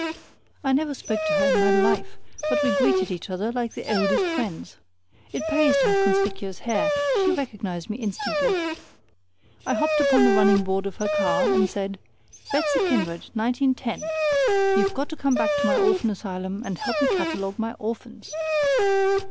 I never spoke to her in my life, but we greeted each other like the oldest friends. It pays to have conspicuous hair; she recognized me instantly. I hopped upon the running board of her car and said: "Betsy Kindred, 1910, you've got to come back to my orphan asylum and help me catalogue my orphans."